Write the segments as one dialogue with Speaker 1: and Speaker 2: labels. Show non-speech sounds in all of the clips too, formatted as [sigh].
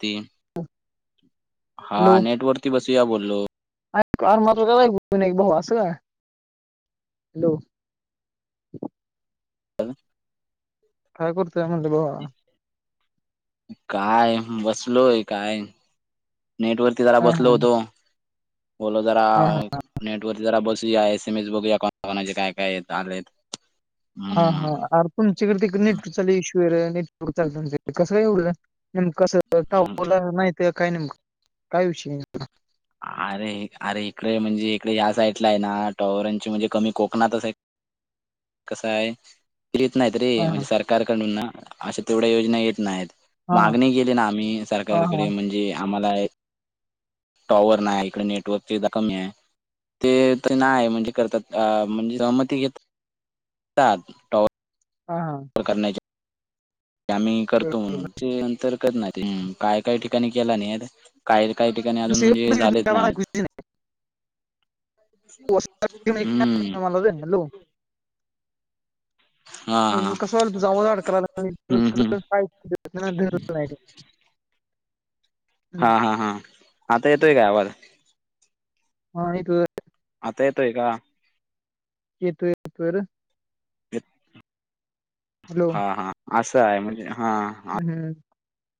Speaker 1: ती हा नेट वरती बसूया बोललो.
Speaker 2: कार मात्र का [unintelligible] भाऊ अस काय हॅलो. काय करतोय म्हणल भावा?
Speaker 1: काय बसलोय काय नेटवर ती जरा
Speaker 2: हा
Speaker 1: बसलो
Speaker 2: हा
Speaker 1: होतो बोल जरा
Speaker 2: हा
Speaker 1: नेट वरती जरा बसू या, एस एम एस बघूया, कोणा कोणाचे काय काय येत आलेत.
Speaker 2: हा हा
Speaker 1: हम्म
Speaker 2: आर तुमच्याकडे तेक नेटचा लई इश्यु. [unintelligible] नेटवक चालत कसवढ कसं टला [unintelligible] ते काय नेमकं, काय विषय?
Speaker 1: आरे आरे इकडे ये, म्हणजे इकडे या साईडला ना, टॉवरांची म्हणजे कमी कोकणातच ये. कसं आहे, येत नाहीत रे,
Speaker 2: हा
Speaker 1: म्हणजे सरकारकडून ना, अशा तेवढ्या योजना, येत नाहीत.
Speaker 2: हा
Speaker 1: मागणी केली ना, आम्ही
Speaker 2: हा हा
Speaker 1: सरकारकडे,
Speaker 2: हा
Speaker 1: म्हणजे आम्हाला ए टॉवर नाय, इकडे नेटवर्कची इथं कमी ये. ते तरी नाय, म्हणजे करतात आ, म्हणजे सहमती घेतात टॉवर
Speaker 2: हं हां.
Speaker 1: [unintelligible] करण्याचे, आम्ही करतो
Speaker 2: बरोबर
Speaker 1: म्हणून, चे नंतर कळत नाही ते, हम्म, काही-काही ठिकाणी केला नेर काही-काही ठिकाणी अजून,
Speaker 2: दुसरी
Speaker 1: म्हणजे झालेच
Speaker 2: मला
Speaker 1: नाहीयेत. हं,
Speaker 2: [unintelligible] मला ते, हॅलो?
Speaker 1: हां,
Speaker 2: वेनू
Speaker 1: हां.
Speaker 2: कसं व्हाल तुझा आवाज अडकायला,
Speaker 1: हं, हं.
Speaker 2: [unintelligible]
Speaker 1: हां हां हां, आता येतोय काय आवाज?
Speaker 2: हां हे तुझ एक
Speaker 1: आता येतोय का?
Speaker 2: येतोय, येतोय र, हॅलो?
Speaker 1: अ हां असं हाय, म्हणजे हां.
Speaker 2: हम्म.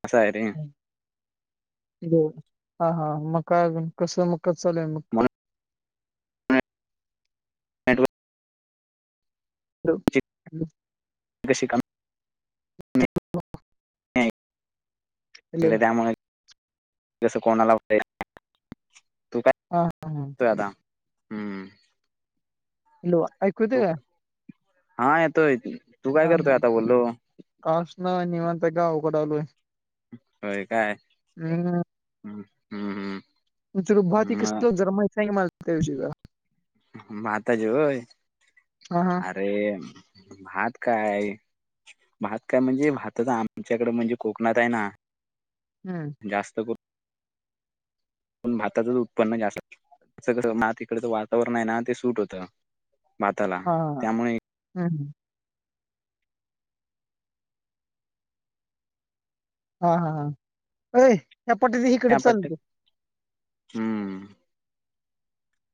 Speaker 1: असं आहे रे.
Speaker 2: दोन, हां हां मग काय अजून, कसं? मग कसं चालु ये, मग?
Speaker 1: म्हणून अँडवो [unintelligible]
Speaker 2: हॅलो, हॅलो?
Speaker 1: बेसिकम, ने
Speaker 2: [inaudible]
Speaker 1: [unintelligible]
Speaker 2: हॅलो.
Speaker 1: इकडे त्यामुळे जस कोणाला [unintelligible] तू काय
Speaker 2: हां, हां, हां.
Speaker 1: करतोय आता? हम्म.
Speaker 2: हॅलो व, ऐकु येत य
Speaker 1: तू
Speaker 2: का?
Speaker 1: हां येतोय की, तू काय करतोय, आता? बोललो.
Speaker 2: कास ना, निवांत काय अवघडालोय.
Speaker 1: होय काय, ह्म, हम्म हम्म.
Speaker 2: [unintelligible] भाती कसत
Speaker 1: म
Speaker 2: जरा माहितनहीं मला त्यो विषई जरा.
Speaker 1: माता ज होय,
Speaker 2: हां, हां.
Speaker 1: अरे भात काय भात काय, म्हणजे भातचा आमच्याकड, म्हणजे कोकणात हाय ना.
Speaker 2: हम्म.
Speaker 1: जास्त कर करून भाताचच उत्पन्न जास्त, [unintelligible] म तिकडच वातावरण ये ना, ते सूट होतं. भाताला
Speaker 2: हां हां,
Speaker 1: त्यामुळे
Speaker 2: हम्म ह. हां हां हं, अय ह्या पाट्यात इकडे चलते.
Speaker 1: हम्म.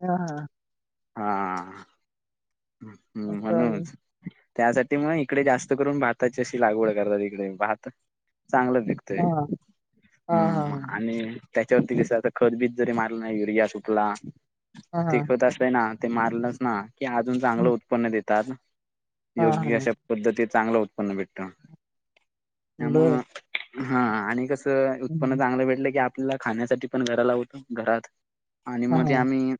Speaker 2: हं हं.
Speaker 1: हां
Speaker 2: मग
Speaker 1: हम्म,
Speaker 2: काय
Speaker 1: म्हणून
Speaker 2: अजून?
Speaker 1: त्यासाठी म इकडे जास्त करून, भाताची अशी लागवड करतात, इकडे भात चांगलं पी तय,
Speaker 2: हां, हां.
Speaker 1: हम् म आणि त्याच्यावरती कसं आता खतबीत जरी मारलं ना, युरिया, शुपला
Speaker 2: हां, हां, हां. हां,
Speaker 1: ते
Speaker 2: हां.
Speaker 1: खत अस हे ना? ते मारलंच ना? की अजून चांगलं
Speaker 2: हं.
Speaker 1: उत्पन्न देतात.
Speaker 2: हां,
Speaker 1: योग्य
Speaker 2: हां.
Speaker 1: अशा पद्धती चांगलं उत्पन्न भेटत.
Speaker 2: बरं.
Speaker 1: त्यामूळ हा आणि कस
Speaker 2: हं,
Speaker 1: उत्पन्न
Speaker 2: हं.
Speaker 1: चांगलं भेटलं की आपल्याला खाण्यासाठी पण घराला वत घरात आणि
Speaker 2: हां,
Speaker 1: मग
Speaker 2: हां.
Speaker 1: आम्ही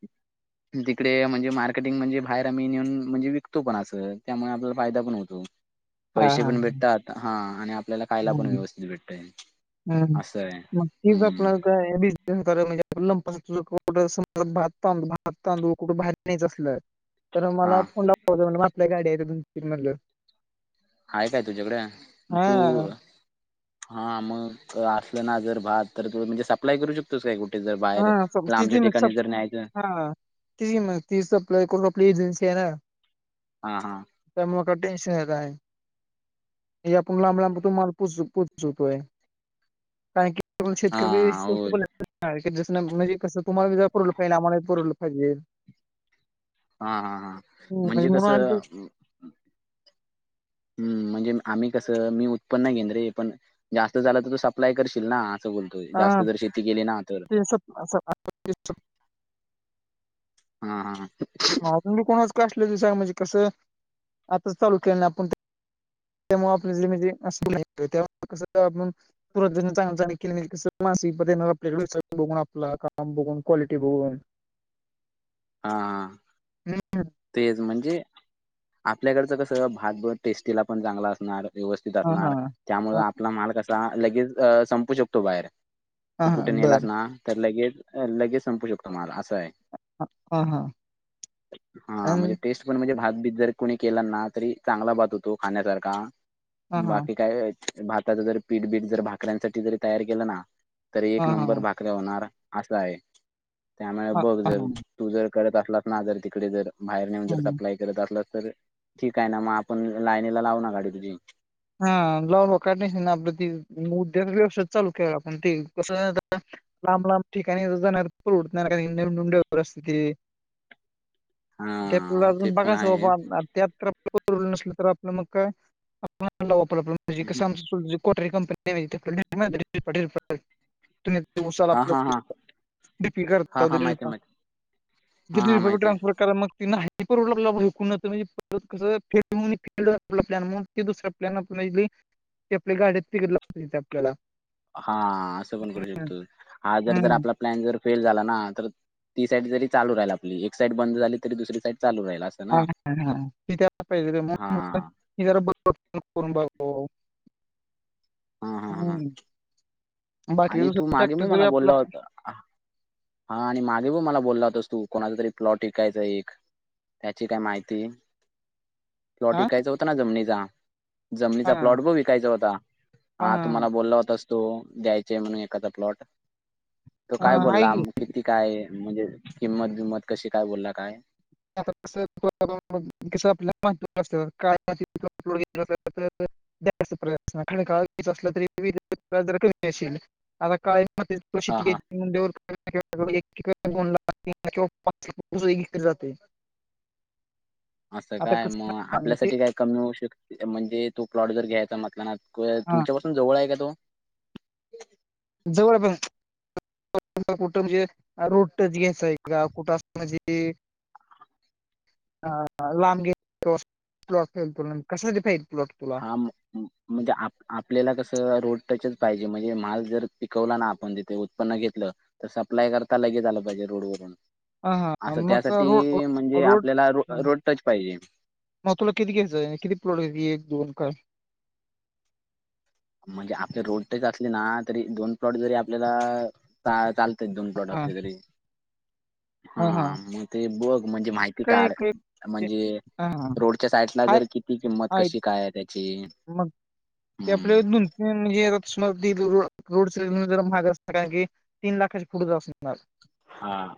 Speaker 1: तिकडे म्हणजे मार्केटिंग म्हणजे बाहेर आम्ही नेऊन म्हणजे विकतो पण असं त्यामुळे आपल्याला फायदा पण होतो.
Speaker 2: हां,
Speaker 1: पैसे पण भेटतात हा आणि आपल्याला खायला पण व्यवस्थित भेटतय.
Speaker 2: हम्
Speaker 1: असं आहे.
Speaker 2: मग कीच आपल
Speaker 1: हम्म
Speaker 2: [unintelligible] भात तांदू भात तांदू कुठं भाइर नाहीच असल तर मला
Speaker 1: हा
Speaker 2: फोन लावाच म्हण मग आपल्या गाडी आहेत्या दोन तीन म्हणलं
Speaker 1: हाय काय तुझ्याकड?
Speaker 2: हा
Speaker 1: तू - हा मग असलं ना जर भात तर तु म्हणजे सप्लाय करू शकतो. करतोस काय कुठे? जर बाहेर
Speaker 2: हा सप-
Speaker 1: लांबच्या ठिकाणी जर न्यायचं
Speaker 2: हा. तिच की मग ' ती सप्लाय कोण? रप्ली एजनसी आहे ना?
Speaker 1: हा हा.
Speaker 2: त्यामुळ का टेन्शन नाय काय. हे आपण लांब लांब तुम्हाला पुसू - पू चुतोय कारण की आपण
Speaker 1: हा
Speaker 2: शेतकरी बी स्वस्त
Speaker 1: होय
Speaker 2: ह जसं म्हणजे कसं तुम्हाला जरा पुरल पाहिजे आम्हाला बी पुरवलं पाहिजे.
Speaker 1: हा हा हा
Speaker 2: हं,
Speaker 1: म्हणजे
Speaker 2: म्हणून आम्ही ते-
Speaker 1: कसं? हम्म म्हणजे आम्ही कसं मी उत्पन्न घेन रे पण जास्त झाल तर तो सप्लाय करशील ना? असं बोलतोय. जास्त जर शेती केली ना? तर
Speaker 2: [unintelligible]
Speaker 1: हा हा
Speaker 2: मी कोणाच का असले त सांग म्हणजे कसं आताच चालू केलं नाही आपण त्यामुळे आपल्या जे म्हणजे क अस कसं आपण - - [unintelligible] आप सग बघून आपलं काम बघून क्वालिटी बघून
Speaker 1: हा.
Speaker 2: हम्म.
Speaker 1: तेच म्हणजे आपल्याकडचं कसं भात पण टेस्टीला पण चांगला असणार. व्यवस्थित
Speaker 2: हा हा
Speaker 1: असणार. त्यामुळं
Speaker 2: हा
Speaker 1: आपला माल कसा लगेच ज संपू शकतो बाहेर.
Speaker 2: हा
Speaker 1: तू
Speaker 2: हा
Speaker 1: कुठे नेलास
Speaker 2: बर
Speaker 1: ना? तर लगेच -लगेच संपू शकतो माल असं आहे.
Speaker 2: हा हा.
Speaker 1: हा
Speaker 2: आणि
Speaker 1: म्हणजे टेस्ट पण म्हणजे भात बीत जर कोणी केला ना तरी चांगला भात होतो खाण्यासारखा.
Speaker 2: हा हा
Speaker 1: बाकी काय? भाताच जर पीठबीठ जर भाकऱ्यांसाठी जरी तयार केलं ना? तरी
Speaker 2: हा
Speaker 1: एक
Speaker 2: हा
Speaker 1: नंबर भाकऱ्या होणार असा आहे. त्यामुळे
Speaker 2: हा
Speaker 1: बघ
Speaker 2: हा
Speaker 1: जर तू जर करत असलास ना जर तिकडे जर बाहेर नेऊन
Speaker 2: हा
Speaker 1: जर सप्लाय करत असलास तर ठीक आहे ना मग आपण लाईनीला लाव ना गाडी तुझी.
Speaker 2: हा लावल काढण्या स ना आपलं त उद्योग व्यवसाय चालू के आपण ते कस माहिताय? लांब लांब ठिकाणी जाणार परवडत नाही [unintelligible] असते ते. त्याला
Speaker 1: हा ते
Speaker 2: अजून
Speaker 1: पण
Speaker 2: बघायचं
Speaker 1: आहेत.
Speaker 2: बाबा. त्यात नसल तर आपलं मग काय? [unintelligible] कोठारी कंपनी [unintelligible] ते ऊसाला
Speaker 1: हा
Speaker 2: आपलं
Speaker 1: हा हा
Speaker 2: डीपी
Speaker 1: हा
Speaker 2: करताव
Speaker 1: हा माहिती आहे माहिती आहे. हा
Speaker 2: कीती
Speaker 1: हा
Speaker 2: रुपये दी
Speaker 1: माहिती आहे.
Speaker 2: ट्रान्सफर कारण मग तिनं हापर उडलं ऐक म्हण परत कसं [unintelligible] आपलं प्लॅन म्हणून ते दुसरा प्लॅन आपण हायते ते आपल्या गाड्यात तिकड लावल्यात आपल्याला.
Speaker 1: हा असं पण करू शकतो. हा जर - जर
Speaker 2: हम्म.
Speaker 1: आपला. प्लॅन जर फेल झाला ना तर ती साईड जरी चालू राहील आपली एक साईड बंद झाली तरी दुसरी साईड चालू राहील अस.
Speaker 2: [unintelligible] हा पाहिजेग
Speaker 1: हा
Speaker 2: [inaudible] जरा ब बघ [unintelligible]
Speaker 1: हा हा हा
Speaker 2: हम्, बाकी दुस टॅक्टर जरी आपला
Speaker 1: अ [unintelligible] हा आणि मागे बि मला बोलला होतास तू, कोणाला तरी प्लॉट ईकायचा, एक. त्याची काय माहिती, प्लॉट
Speaker 2: हा
Speaker 1: ईकायचा होत ना, जमनीचा.
Speaker 2: हा
Speaker 1: जमनीचा प्लॉट बग विकायचा होता,
Speaker 2: हा
Speaker 1: आ तु मला
Speaker 2: हा
Speaker 1: बोलला होतास. तो, द्यायचा म्हणून एखादा प्लॉट, तो काय
Speaker 2: हा आहे की
Speaker 1: बोलला? किती काय, म्हणजे किंमत बिंमत कशी काय, बोलला, काय?
Speaker 2: आता कस कस आपल्यात का [unintelligible] प्र काळी असलं तरी, [unintelligible] ज कमी असेल आता काळ [unintelligible] म
Speaker 1: हा हा
Speaker 2: प्रशीतीिक [unintelligible] लाडे जातेदोनला किंवा तीनला [unintelligible]
Speaker 1: असं
Speaker 2: आता
Speaker 1: काय म,
Speaker 2: कसं आहे ते
Speaker 1: आपल्यासाठी काय कमी होऊ शकते, म्हणजे तो प्लॉट जर घ्यायचा म्हंटला ना,
Speaker 2: हा
Speaker 1: तुमच्यापासून जवळ हाय का, तो?
Speaker 2: जवळ, पण कुठं म्हणजे रोडच घ्यायचंय का कुठं असं [unintelligible] म्हणजे ह लाम गॉ कसदीफय [unintelligible]
Speaker 1: हां म. म्हणजे आप-आपल्याला कसं, रोड टचच पाहिजे, म्हणजे माल जर पिकवला ना, आपण तिथे, उत्पन्न घेतलं त सप्लाय करता लगेच आलं पाहिजे, रोड वरून.
Speaker 2: हा हा
Speaker 1: असं
Speaker 2: मग रोड
Speaker 1: त्यासाठी, म्हणजे
Speaker 2: रोड
Speaker 1: आपल्याला रो-रोड टच पाहिजे.
Speaker 2: म तुला किती घ्यायचं, किती प्लॉट ग एक-दोन काय?
Speaker 1: म्हणजे आपले रोड टच असले ना, तरी दोन प्लॉट जरी आपल्याला चा-चालत णा, दोन प्लॉट
Speaker 2: हा
Speaker 1: असले तरी. हां, म ते बघ, म्हणजे माहिती
Speaker 2: काय
Speaker 1: काड,,
Speaker 2: काय ते
Speaker 1: म्हणजे
Speaker 2: हां, हां.
Speaker 1: रोडच्या साइट ला,
Speaker 2: हाय
Speaker 1: जर किती किंमत,
Speaker 2: आहेत.
Speaker 1: कशी काय, आहे त्याची?
Speaker 2: मग, ते आपले
Speaker 1: हम्म
Speaker 2: दोन-तीन [unintelligible] म्हणजे सम त रोड साईडणं जरा महाग असत, कारण की तीन लाखाच्या पुढ असणार.
Speaker 1: हां.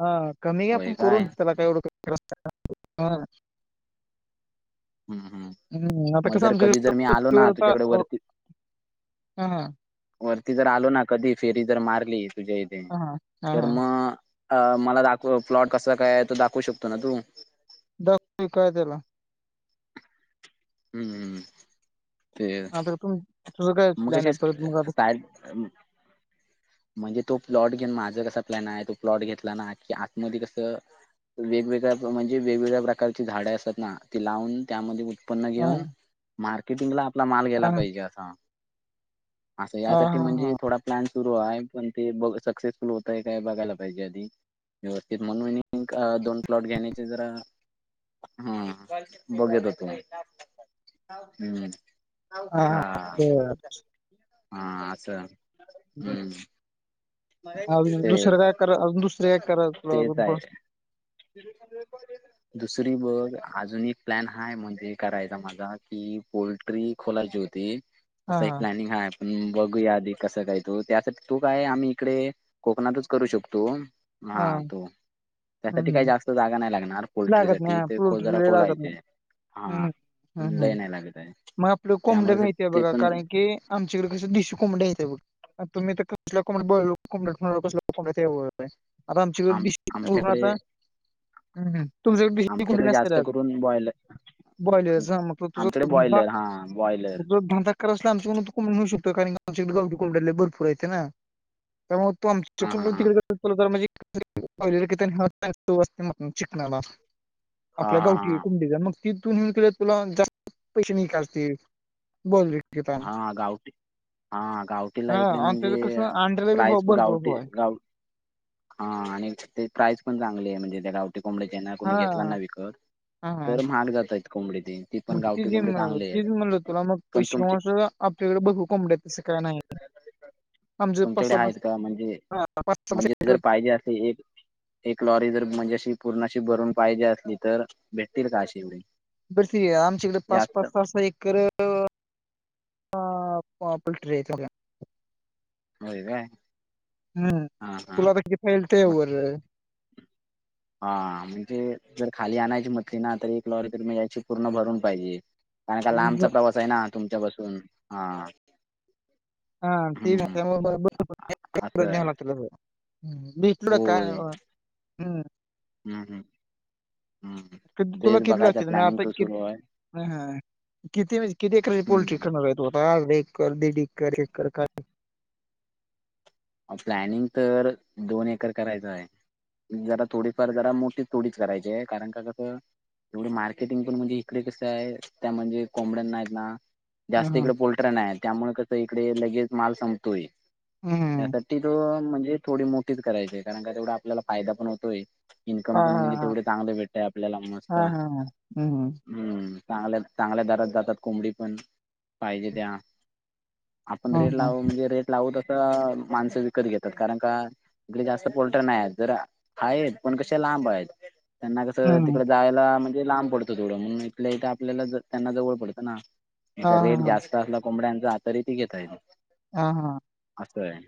Speaker 2: हां, कमी
Speaker 1: होय
Speaker 2: आपण
Speaker 1: काय
Speaker 2: करून, त्याला काय एवढं का [unintelligible]
Speaker 1: हम् हम.
Speaker 2: हम्, आता कसं आमच्याकडं
Speaker 1: तुझ्याकडे वरती
Speaker 2: [unintelligible] हं.
Speaker 1: वरती जर आलो ना, कधी फेरी जर मारली, तुझ्या इथे,
Speaker 2: हां, हां. हां,
Speaker 1: तर
Speaker 2: हां.
Speaker 1: म अ मला दाखव, प्लॉट कसा काय? तो दाखवू शकतो ना, तू?
Speaker 2: दाखवीन [unintelligible] काय त्याला?
Speaker 1: हम्म हम्.
Speaker 2: आता तुम [unintelligible] प्लॅन
Speaker 1: मगाशी
Speaker 2: आहे परत मग आता?
Speaker 1: साय [unintelligible] म्हणजे तो प्लॉट घेऊन, माझा कसा प्लॅन हाय, तो प्लॉट घेतला ना, की आतमदि कसं वेग-वेगळ्या, म्हणजे वेग-वेगळ्या प्रकारची झाडें असतात ना, ते लावून त्यामध्ये ऊत् पन्न घेऊन,
Speaker 2: हां,
Speaker 1: मार्केटिंग ला आपला माल गेला
Speaker 2: हां.
Speaker 1: पाहिजे, असा. असं
Speaker 2: हां,
Speaker 1: यासाठी,
Speaker 2: हां,
Speaker 1: म्हणजे
Speaker 2: हां.
Speaker 1: थोडा प्लॅन सुरू हाय, पण ते बघ सक्सेसफुल होतय काय, बघायला पाहिजे आधी. व्यवस्थित म्हणून [unintelligible] दोन प्लॉट घेण्याचे जरा हम, बघेत होतो, हम्म.
Speaker 2: हांव बां असं
Speaker 1: हां असं हम्मं
Speaker 2: अजूंन दुसरं कायं करां अजूंन दुसरे कायं करां
Speaker 1: तेच
Speaker 2: अजूंन
Speaker 1: आहे
Speaker 2: कोणं
Speaker 1: [inaudible] [unintelligible] दुसरी बघं अजूंन एक प्लॅन हां म्हणजे करांयचा माझां कि पोलोल्ट्री खोलांची होती असं एक प्लॅनिंग हां आहे पणं बघूंया आधी कसं कायं तूं त्यांसाठी तो कायं आम्हीं इकडे कोकणांतच करूं शकतो हां तो
Speaker 2: हं,
Speaker 1: त्यांसाठी कांहीं
Speaker 2: हं.
Speaker 1: जास्तं जांगा नाहीं लागणारं पोल्ट्री
Speaker 2: लागत
Speaker 1: सांठी
Speaker 2: नाही
Speaker 1: ते को जरां
Speaker 2: पोल्ट्रीला लागत
Speaker 1: कोलांयचे
Speaker 2: नाही.
Speaker 1: हां
Speaker 2: हम्म हम्म
Speaker 1: लंय
Speaker 2: हम्म.
Speaker 1: नाहीं लागतं आहे त्यांमुळेचं ते पणं
Speaker 2: आमचे कडे दिडीशी कोंबड्या आहेतं बं तुम्हीं कसल्यां कोंबड्यां बळं कोंबड्या कसंब्या आहे आंता
Speaker 1: आम
Speaker 2: आमच्यांकडून
Speaker 1: आमच्याकडे
Speaker 2: आंता हं तुमच्यांकडे कुंठ
Speaker 1: आमच्याकडे जास्त
Speaker 2: नसंतरं
Speaker 1: करून बॉयलर
Speaker 2: बॉयलरचा म्हटलं तुझं कुठं
Speaker 1: हां बॉईल
Speaker 2: जोधांधा करतंअसलां आमच्याकडं तुं कोंबड नेऊं शकतो कारणं आमच्याकडे गांवटी कोंबड्यांला भरंपूर येते नां त्यां मंग तुं आमच्या
Speaker 1: हा हा
Speaker 2: चुकूण
Speaker 1: हा
Speaker 2: तिकडेणजे कि असते चिकनांला
Speaker 1: हा
Speaker 2: आपल्या गांवठी
Speaker 1: हा
Speaker 2: कोंबडीचा मंग तिथूंनऊंन केली तुलां जास्तं पैसे नि चालती बोलं ले
Speaker 1: हां हां गांवटी हां हां गांवटीला
Speaker 2: हा
Speaker 1: इकडे
Speaker 2: आणि
Speaker 1: म्हणजे
Speaker 2: त्याचं कसं अंड्याला बी भाव
Speaker 1: प्राईज
Speaker 2: भरपूर भाव
Speaker 1: गांवटी
Speaker 2: आहे.
Speaker 1: गावं हां आणि ते प्राईज पणं चांगली आहे म्हणजे त्यां कोंबड्यां चां नां कोणी घेतलांय
Speaker 2: हा.
Speaker 1: नां विकत तरं म्हंहांग जातंय कोंबड्यां ते
Speaker 2: मंग ती जे तीचं म्हणलं तुलां मंग
Speaker 1: पण
Speaker 2: पैसे
Speaker 1: तुमची
Speaker 2: असं आपल्यांकडे बघूं कोंबडं तसं कायं नाहीं
Speaker 1: तुमच्यांकडे आहेतं कां म्हणजे
Speaker 2: पाच सहा पाच-
Speaker 1: म्हणजे जरं पाहिजे असे एक एक लॉरी जरं म्हणजे अशी पूर्णाशी भरूंन पाहिजे असली तरं भेटतील कां अशी एवढी
Speaker 2: बिडती आमच्यांकडे पांच
Speaker 1: जास्त
Speaker 2: पांच सहा सहा एकरं हं पॉपेट जायचां मंग
Speaker 1: व्हांय कायं
Speaker 2: हम्मं तुलां किथं पाहिजे ते वरं
Speaker 1: हां म्हणजे जरं खाली आणांयची म्हंटली नां तरं एक लॉरी तरं मी यांयची पूर्ण भरूंन पाहिजे कारणं कां लांबचा
Speaker 2: ब-
Speaker 1: प्रवांस आहे नां तुमच्यां पासूंन हां
Speaker 2: हां बरं तीनं घंटे
Speaker 1: असं आहे
Speaker 2: बरोबर घ्यां लागते कुठं कायं व्हयं हम्मं
Speaker 1: हम्मं हम्मं हम्मं
Speaker 2: कि तुम्हीं कितलां असतील म्हे आंता की हं हां किती म्हणजे किती एराची पोल्ट्री
Speaker 1: हम्म
Speaker 2: करणारं आहॆ तुं आंता अं एकंर दीड एकंर एकंर
Speaker 1: प्लॅनिंग तरं दोन एकंर करायचं आहे जरां थोडीफांर जरां मोठी थोडीच करांयची आहे कारणं कां कसं एवढं मार्केटिंग पणं म्हणजे इकडे कसं आहे त्यां म्हणजे कोॉंबड्यांना आहेतं नां जास्तं
Speaker 2: हा.
Speaker 1: इकडे पोल्ट्र नाहीं त्यामुळें कसं इकडे लगेच मालं संपतोय
Speaker 2: हम्म.
Speaker 1: त्यांसाठी तो म्हणजे थोडी मोठीचं करांयची आहे कारणं कां तेवढां आपल्यांला फायंदा पणं होतोय इन्कंम
Speaker 2: हा,
Speaker 1: पणं
Speaker 2: हा,
Speaker 1: म्हणजे
Speaker 2: हा.
Speaker 1: तेवढे चांगले भेटतंय आपल्यांला मस्तं
Speaker 2: हा, हा. हम्म.
Speaker 1: हम्मं चांगल्या चांगल्या दरांत जातांत कोंबडी पणं पाहिजे त्यां आपणं रेंट
Speaker 2: हम्म.
Speaker 1: लांव म्हणजे रेंट लावूं तसं माणसं विकतं घेतातं कारणं कां इकडे जास्त पोल्ट्री नाही आहेत. जर आहेत. पण कशे लांब आहेत. त्यांना कसं
Speaker 2: हम्म.
Speaker 1: तिकड जायला म्हणजे लांब पडतं थोड. म्हणून इथल्या इथं आपल्याला त्यांना जवळ पडतं ना?
Speaker 2: हा,
Speaker 1: इथ रेट
Speaker 2: हा.
Speaker 1: जास्त असला कोंबड्यांचा तरी ते घेता येत.
Speaker 2: हा हा.
Speaker 1: असं आहे.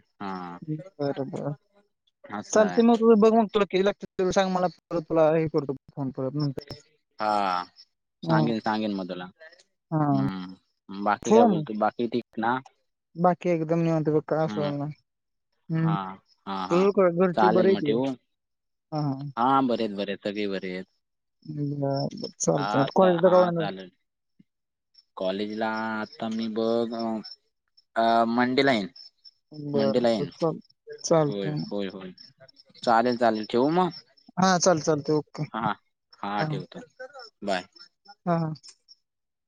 Speaker 2: बर बर
Speaker 1: असं
Speaker 2: चालतंय मग
Speaker 1: आहे
Speaker 2: तुझ -बघ मग तुला काय किती लागतय? त सांग मला तुला - तुला हे करतो. फोन करत नाही.
Speaker 1: हा सांगेन सांगेन मग तुला.
Speaker 2: हा.
Speaker 1: हम्म बाकी काय
Speaker 2: ठेवू मग?
Speaker 1: बोलतो? बाकी ठीक ना?
Speaker 2: बाकी एकदम निवांत बघ का सुदा नाई. हम्म
Speaker 1: हा हा
Speaker 2: तुझ
Speaker 1: हा
Speaker 2: कर. घरची बरी आहेती. हा हा
Speaker 1: हां बरे आहेत. बरे आहेत. सगळी बरी आहेत.
Speaker 2: बरं बरं
Speaker 1: हा
Speaker 2: चालतंय आता काॅलेजला कवा
Speaker 1: हा
Speaker 2: येणार आहेस?
Speaker 1: चालेल कॉलेजला आता मी बघ मंडे ला येईन.
Speaker 2: बरं,
Speaker 1: मंडेला
Speaker 2: बरं.
Speaker 1: येईन
Speaker 2: चाल
Speaker 1: होय
Speaker 2: चालतंय.
Speaker 1: -होय -होय. चालेल -चालेल. ठेवू मग?
Speaker 2: हा चालतंय चालतंय ओके.
Speaker 1: हा
Speaker 2: हा.
Speaker 1: बाय.
Speaker 2: हा हा.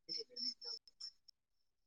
Speaker 1: [inaudible]